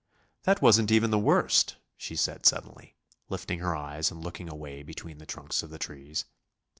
"That wasn't even the worst," she said suddenly, lifting her eyes and looking away between the trunks of the trees.